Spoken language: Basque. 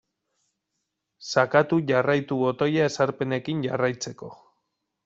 Sakatu jarraitu botoia ezarpenekin jarraitzeko.